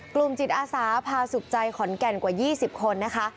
กลุ่มจิตอาสาพาสุขใจขอนแก่นกว่า๒๐คนนะคะ